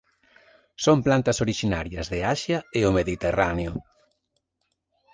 Son plantas orixinarias de Asia e o mediterráneo.